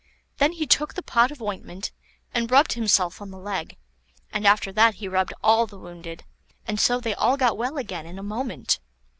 Then he took the pot of ointment and rubbed himself on the leg, and after that he rubbed all the wounded, and so they all got well again in a moment.